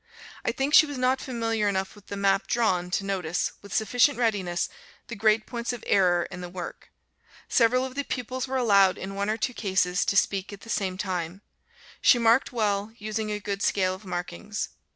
I think she was not familiar enough with the map drawn to notice, with sufficient readiness, the great points of error in the work. Several of the pupils were allowed, in one or two cases, to speak at the same time. She marked well, using a good scale of markings.